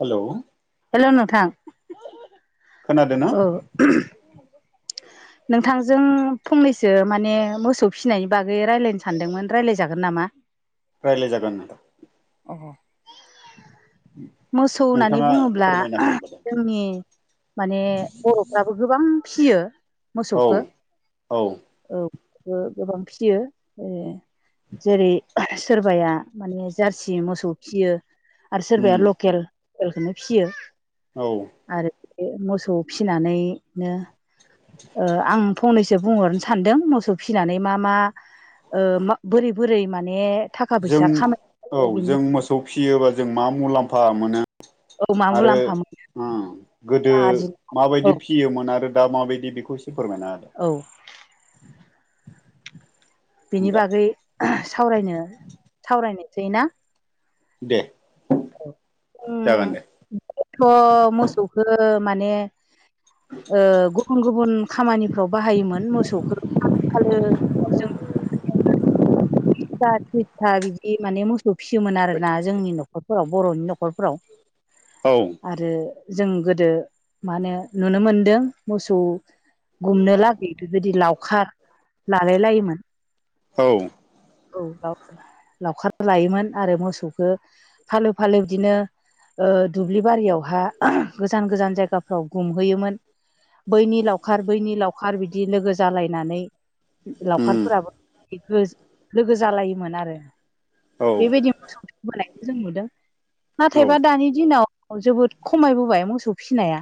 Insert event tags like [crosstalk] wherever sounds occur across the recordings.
Hello hello नोंथां? खोनादोंना औ। नोंथांजों फंनैसो माने मोसौ फिनायनि बागै रायज्लायनो सानदोंमोन रायज्लायजागोन नामा? रायलाय जागोन नामा? अ। मोसौ होन्नानै नोंथाङा बुङोब्ला फोरमायना होबोदों जोंनि माने बर'फ्राबो गोबां फिसियो औ मोसौखो औ औ। ओ गोबां फिसियो ओ जेरै सोरबाया माने जारसि मोसौ फियो आरो सोरबाया उम ल केल एलखौनो फिसियो। औ। मोसौ फिसिनानैनो ओ आं फंनैसो बुंहरनो सान्दों मोसौ फिनानै मा मा ओ बोरै बोरै माने थाखा फैसा जों औ खामायनो बिनि जों मोसौ फिसियोबा जों मा मुलाम्फा मोनो औ मा आरो मुलाम्फा मोनो उम गोदो रां आरजिनो औ माबायदि फियोमोन आरो दा माबायदि बेखौसो फोरमायना होदो औ बिनि दे बागै सावरायनो सावरायनोसै ना? दे उम जागोन दे थ' मोसौखो माने ओ गुबुन गुबुन खामानिफ्राव बाहायोमोन मोसौखौ फालो फालो जों [unintelligible] बिदि माने मोसौ फिसियोमोन आरोना जोंनि न' खरफोराव बर'नि न'खरफ्राव औ आरो जों गोदो मा होनो नुनो मोनदों मोसौ गुमनो लागै बेबायदि लावखार लालाय लायोमोन औ औ लावखार लायोमोन आरो मोसौखौ फालो फालो बिदिनो ओ दुब्लि बारियावहा गोजान गोजान जायगाफ्राव गुमहैयोमोन बैनि लावखार बैनि लावखार बिदि लोगो जालायनानै उम लावखारफोराबो लोगो जालायोमोन आरो औ बेबायदि मोसौबोनायखौ जों नुदों औ नाथायबा दानि दिनाव जोबोद खमायबोबाय मोसौ फिसिनाया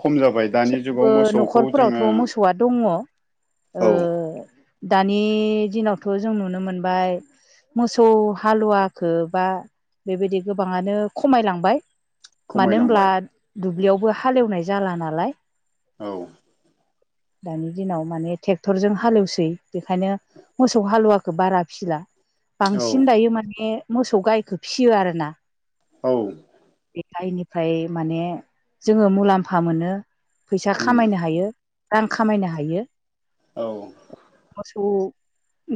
खम जाबाय दानि जुगाव थावबो मोसौखौ जोङो न'खरफोरावथ' मोसौआ दङ' औ दानि दिनावथ' जों नुनो मोनबाय मोसौ हालुवाखौ बा बेबायदि गोबाङानो खमायलांबाय मानो होनब्ला खमायलांबाय दुब्लियावबो हालेवनाय जाला नालाय औ दानि दिनाव माने ट्रेक्टरजों हालेवसै बेखायनो मोसौ हालेवाखै बारा फिसिला औ बांसिन दायो माने मोसौ गायखो फिसियो आरोना औ आयनिफ्राय माने जोङो मुलाम्फा मोनो फैसा उम खामायनो हायो रां खामायनो हायो औ मोसौ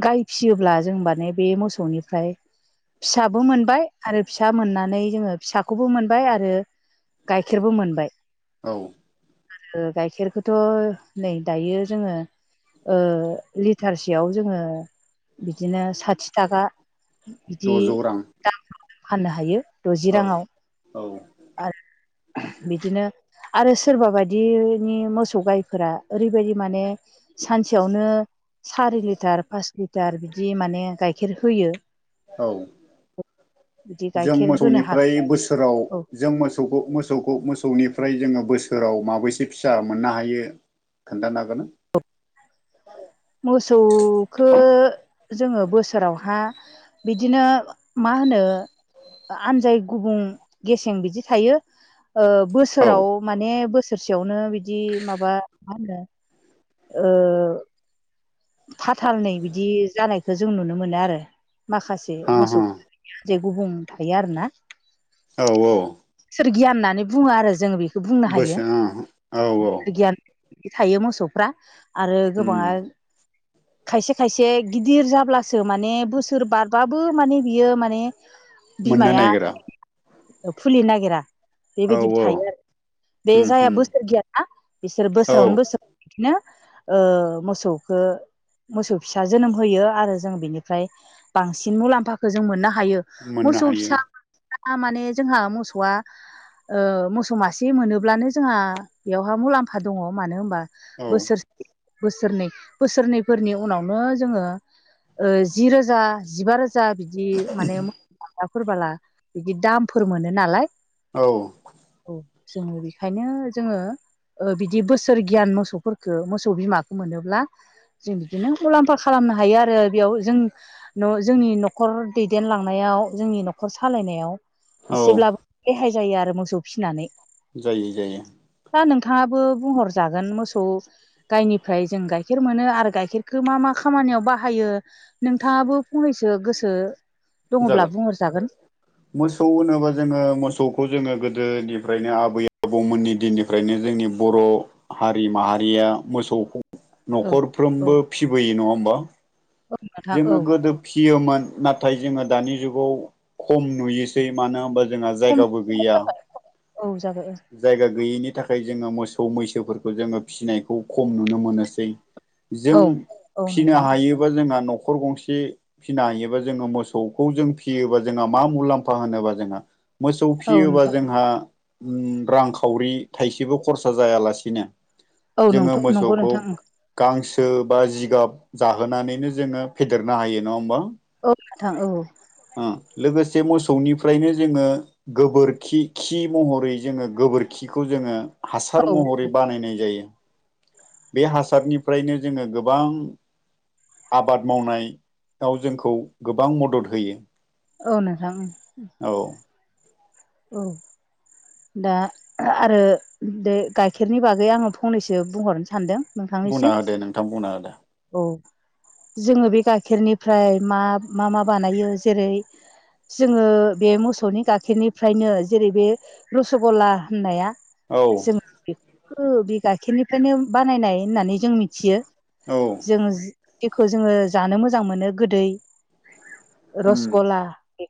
गाय फिसियोब्ला जों माने बे मोसौनिफ्राय फिसाबो मोनबाय आरो फिसा मोन्नानै जोङो फिसाखौबो मोनबाय आरो गाइखेरबो मोनबाय औ गाइखेरखौथ' नै दायो जोङो ओ लिटारसेयाव जोङो बिदिनो साथि थाखा बिदि द'जौ रां दामफोराव जों फाननो हायो द'जि औ राङाव औ आरो बिदिनो आरो सोरबा बायदिनि मोसौ गायफोरा ओरैबायदि माने सानसेयावनो सारि लिटार पास लिटार बिदि माने गाइखेर होयो औ [unintelligible] जों होनो हागौ मोसौनिफ्राय बोसोराव औ जों मोसौखौ मोसौखौ मोसौनिफ्राय जोङो बोसोराव माबैसे फिसा मोननो हायो खोन्थाना [unintelligible] मोसौखो जोङो बोसोरावहा बिदिनो मा होनो आनजाय गुबुं गेसें बिदि थायो बोसोराव औ माने बोसोरसेयावनो बिदि माबा मा होनो ओ फाथालनै बिदि जानायखौ जों नुनो मोनो आरो माखासे हा मोसौ हा जे गुबुं थायो आरोना औ औ गियान होननानै बुङो आरो जोङो बेखौ बुंनो हायो बोसो औ औ गियान थायो मोसौफ्रा आरो उम गोबाङा खायसे खायसे गिदिर जाब्लासो माने बोसोर बारबाबो माने बियो माने मोननो बिमाया नायगिरा। फुलि नागिरा बेबायदिबो औ थायो आरो बे उम जायहा उम बोसोर गैयाना बिसोर औ बोसोरावनो बोसोर बिदिनो मोसौखो मोसौ फिसा जोनोम होयो। आरो जों बेनिफ्राय बांसिन मुलाम्फाखौ जों मोननो हायो। हायो मोननो मोसौ फिसा हायो माने जोंहा मोसौआ मोसौ मासे मोनोब्लानो जोंहा बेवहा मुलाम्फा दङ। मानो होमबा औ बोसोरसे बोसोरनै बोसोरनै फोरनि उनावनो जोङो जि रोजा जिबा रोजा जा बिदि माने माफोरबाला बिदि दामफोर मोनो नालाय औ औ जोङो बेखायनो जोङो बिदि बोसोर गियान मोसौफोरखो मोसौ बिमाखौ मोनोब्ला जों बिदिनो मुलाम्फा खालामनो हायो आरो बेयाव जों जोंनि न'खर दैदेनलांनायाव जोंनि न'खर सालायनायाव औ एसेब्लाबो रेहाय जायो आरो मोसौ फिसिनानै जायो जायो। दा नोंथाङाबो बुंहर जागोन मोसौ गायनिफ्राय जों गाइखेर मोनो आरो गाइखेरखौ मा मा खामानियाव बाहायो नोंथाङाबो फंनैसो गोसो दङब्ला जागोन बुंहरजागोन मोसौ होनोबा जोङो मोसौखौ जोङो गोदोनिफ्रायनो आबै आबौमोननि दिननिफ्रायनो जोंनि बर' हारि माहारिया मोसौ औ औ न'खरफ्रोमबो फिबोयो नङा होमबा औ नोंथां जोङो औ गोदो फियोमोन नाथाय जोङो दानि जुगाव खम नुयोसै मानो होनबा जोंहा खम जायगाबो गैया जाबाय औ जाबाय जायगा गैयैनि थाखाय जोङो मोसौ मोसौ मैसोफोरखौ जोङो फिसिनायखौ खम नुनो मोनोसै औ जों औ औ फिनो नोंथां हायोबा जों न'खर गंसे फिनो हायोबा जोङो मोसौखौ जों फियोबा जोंहा मा मुलाम्फा होनोबा जोंहा मोसौ औ फियोबा नोंथां जोंहा रांखावरि थाइसेबो खरसा जायालासिनो औ जोङो नंगौ मोसौखौ नोंथां गांसो बा जिगाब जाहोनानैनो जोङो फेदेरनो हायो नङा होमबा? औ नोंथां औ लोगोसे मोसौनिफ्रायनो जोङो गोबोरखि खि महरै जोङो गोबोरखिखौ जोङो हासार औ महरै बानायनाय जायो। बे हासारनिफ्रायनो जोङो गोबां आबाद मावनायाव जोंखौ गोबां मदद होयो। औ नोंथां औ औ दा आरो बे गाइखेरनि बागै आङो फंनैसो बुंहरनो सानदों। बुंना नोंथांनिसिम होदो नोंथां बुंना होदो औ जोङो बे गाइखेरनिफ्राय मा मा मा बानायो जेरै जोङो बे मोसौनि गाइाखेरनिफ्रायनो जेरै बे रुस गलला होननाया औ जों बे बे गाइखेरनिफ्रायनो बानायनाय होननानै जों मिथियो औ जों। जेखौ जोङो जानो मोजां मोनो गोदै उम रसगला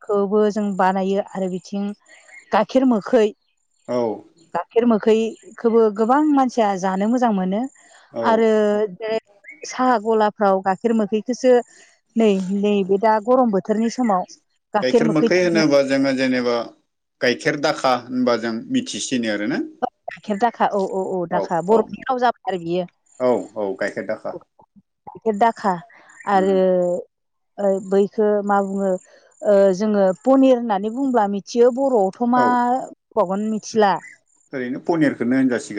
खौबो जों बानायो आरो बिथिं गाइखेर मोखै औ गाइखेर मोखैखौबो गोबां मानसिया जानो मोजां मोनो, औ आरो बे साहा गलाफ्राव गाइखेर मोखै, बेसो नै नैबे दा गरम बोथोरनि समाव, गाइखेर मोखै होनोबा जोङो जेनेबा गाइखेर दाखा होनबा जों मिथिसि सिनो आरो ना? गाइखेर दाखा औ औ औ दाखा बर'नि राव जाबाय आरो बियो। बा गायखेर दाखा आरो ओ बैखो मा बुङो ओ जोङो पनिर होननानै बुंब्ला मिथियो। बर'आवथ' मा औ बुंबावगोन मिथिला, ओरैनो पनियरखौनो होनजासि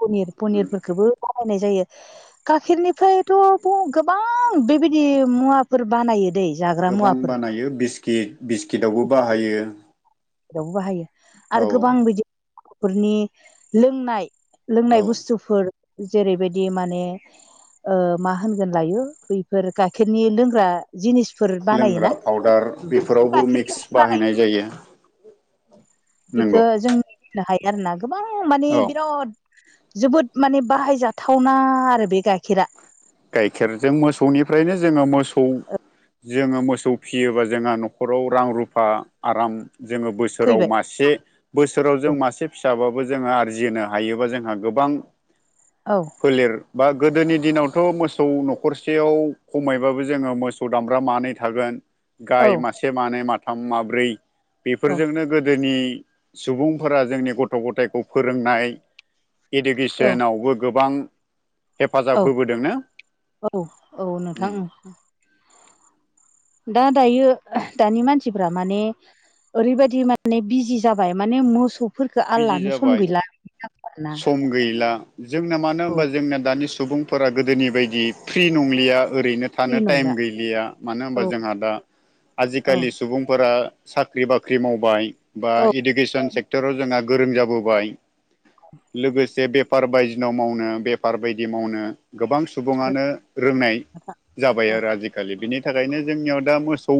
पनिर पनिरफोरखौबो, बानायनाय जायो गाखेरनिफ्रायथ' गोबां बेबायदि मुवाफोर बानायो। दै जाग्रा गोबां मुवाफोर बानायो बिस्किट बिस्किटावबो बाहायो। यावबो बाहायो औ आरो गोबां बिदिफोरनि लोंनाय, औ लोंनाय बुस्थुफोर जेरैबायदि माने, ओ मा होनगोन लायो बैफोर गाइखेरनि लोंग्रा। जिनिसफोर लोंग्रा बानायोना? पाउदार बेफोरावबो मिक्स गाइखेरनिखो बाहायनाय बानायो जायो नंगौ बेखौ जों बुंनो हायो आरो ना गोबां माने औ बिराद, जोबोद माने बाहायजाथावना आरो बे गाय गाइखेरजों मोसौनिफ्रायनो, जोङो मोसौ जोङो मोसौ फियोबा जोंहा न'खराव रां रुफा आराम। जोङो बोसोराव फैबाय मासे बोसोराव जों मासे फिसाबाबो। जों आरजिनो हायोबा जोंहा गोबां औ फोलेर बा गोदोनि, दिनावथ' मोसौ न'खरसेयाव खमायबाबो जोङो मोसौ दामब्रा मानै थागोन। औ गाय मासे मानै माथाम माब्रै बेफोरजोंनो गोदोनि। सुबुंफोरा जोंनि गथ' गथायखौ फोरोंनाय, औ इडुकेसनावबो गोबां हेफाजाब, औ होबोदों ना औ औ नोंथां ओं दान दायो दानि मानसिफ्रा माने ओरैबायदि माने बिजि जाबाय माने मोसौ, फोरखौ बिजि आल्लानो सम जाबाय गैला, आरोना सम गैला जोंना मानो औ होनबा जोंना दानि सुबुंफोरा गोदोनि बायदि फ्रि नंलिया, ओरैनो फ्रि थानो नंला टाइम गैलिया मानो होनबा औ जोंहा दा औ आजिखालि सुबुंफोरा, साख्रि बाख्रि मावबाय बा औ इडुकेसन सेक्टराव जोंहा गोरों जाबोबाय, लोगोसे बेफार बायदिनाव मावनो बेफार बायदि मावनो, गोबां सुबुङानो रोंनाय जाबाय आरो आजिखालि बिनि, थाखायनो जोंनियाव दा मोसौ,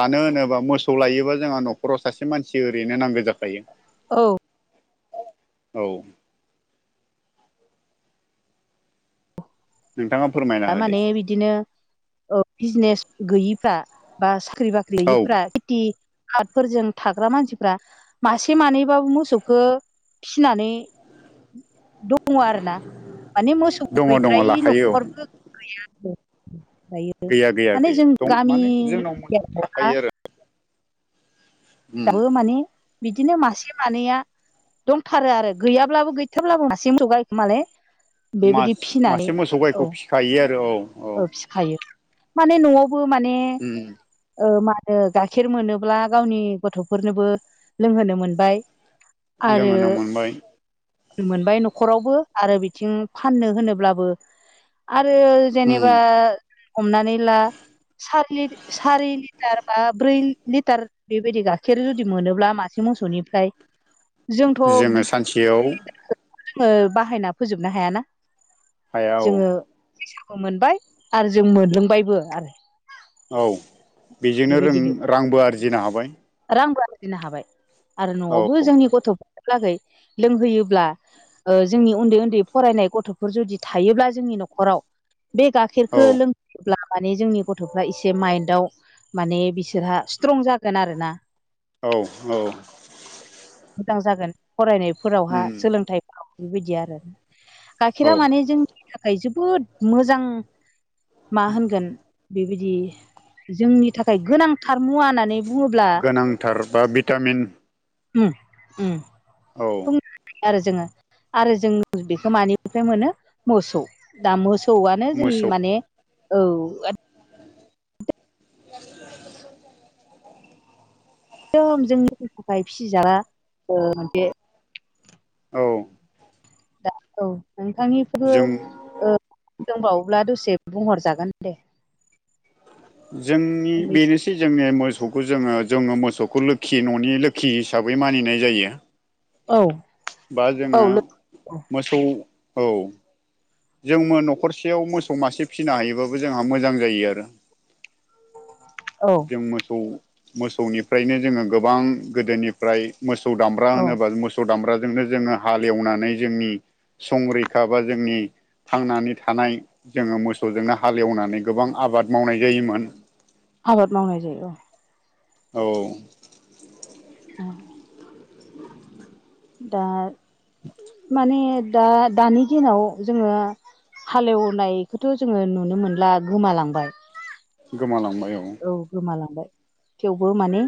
लानो होनोबा मोसौ लायोबा जोंहा न'खराव सासे मानसि ओरैनो नांगौ जाखायो। औ औ नोंथाङा फोरमायना थारमाने होदो बिदिनो अ बिजनेस गैयिफ्रा बा सा साख्रि औ बाख्रिफ्रा खेथि आबादफोरजों थाग्रा मानसिफ्रा मासे मानैबाबो मोसौखौ फिनानै, दं दङ आरोना माने मोसौ दङ दङ गैद्रायै लाखायो औ न'खरबो गैया आरो ओमफ्रायो गैया गैया माने गैया जों दं गामि माने जोंनाव एरिया मोसौ आवहा, थाखायो आरो उम दाबो माने बिदिनो मासे मानैया, दंथारो आरो गैयाब्लाबो गैथाब्लाबो मासे मोसौ गायखो माने, बेबायदि मास फिनानै मासे मोसौ औ गायखौ फिखायो आरो औ औ फिखायो, माने न'आवबो माने उम ओ मानो गाइखेर मोनोब्ला गावनि गथ'फोरनोबो लोंहोनो मोनबाय आरो लोंहोनो मोनबाय। मोनबाय न'खरावबो आरो बिथिं फाननो होनोब्लाबो आरो उम जेनेबा हमनानै ला सारि सारि लिटार बा ब्रै लिटार बेबायदि गा खिर जुदि मोनोब्ला मासे मोसौनिफ्राय जोङो सानसेयाव मो बाहायना फोजोबनो हायाना? हाया औ। फैसाखौ मोनबाय आरो जों मोनलोंबायबो आरो। औ बेजोंनो रोन बेबायदिहै रांबो आरजिनो हाबाय। दोननो हाबाय आरो औ न'आवबो जोंनि गथ'फोरनि लागै लोंहोयोब्ला ओ जोंनि उन्दै उन्दै फरायनाय गथ'फोर जुदि थायोब्ला जोंनि न'खराव बे औ गाखेरखौ लोंहयोब्ला माने जोंनि गथ'फ्रा एसे माइन्दआव माने बिसोरहा स्ट्रं जागोन आरो ना। औ औ मोजां जागोन फरायनायफोरावहा उम सोलोंथाइफोराव बेबायदि आरो औ गाखेरा माने जों थाखाय जोबोद मोजां मा होनगोन बेबादि जोंनि थाखाय गोनांथार मुवा होननानै बुङोब्ला गोनांथार बा भिटामिन उ उ औ आरो जोङो आरो जों बेखौ मानिफ्राय मोनो मोसौ दा मोसौ आनो जोंनि मोसौ माने औ एदम जोंनि थाखाय फिसाग्रा ओ बे औ दा ओं नोंथांनिखौबो जों ओ दंबावोब्ला दसे बुंहरजागोन दे? जोंनि मोननैसो बेनोसै जोंनिया मो सौखौ जोङो जोङो मोसौखौ जोङो न'नि लोखि हिसाबै मानिनाय जायो। औ बा औ जोङो मोसौ औ। जोंबो न'खरसेयाव मोसौ मासे फिनो हायोबाबो जोंहा मोजां जायो आरो। औ जों मोसौ मोसौनिफ्रायनो जोङो गोबां गोदोनिफ्राय मोसौ दामब्रा औ होनोबा मोसौ दामब्रा जोंनो जोङो हालेवनानै जोंनि संरैखा बा जोंनि थांनानै थानाय जोङो मोसौजोंनो हालेवनानै गोबां आबाद मावनाय जायोमोन। आबाद मावनाय जायो औ। औ ओ [inaudible] दा माने दा दानि दिनाव जोङो हालेवनायखौथ' जोङो नुनो मोनला गोमालांबाय गोमालांबाय औ गोमालांबाय थेवबो माने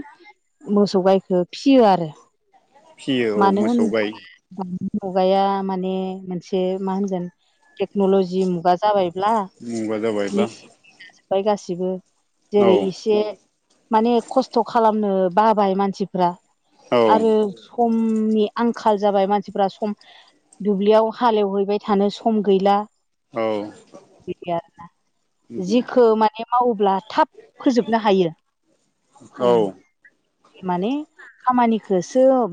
मोसौ गायखो फियो आरो। फियो औ मानो मोसौ गाय होनबा मुगाया माने मोनसे मा होनगोन टेक्न'लजि मुगा जाबाय मुगा जाबाय बा। फ्राय गासिबो जेरै इसे माने खस्थ' खालामनो बाबाय मानसिफ्रा औ आरो समनि आंखाल जाबाय मानसिफोरा सम दुब्लियाव हालेवहैबाय थानो सम गैला इदि आरो ना जिखो माने मावोब्ला थाब फोजोबनो हायो औ ओ‌ औ माने खामानिखोसो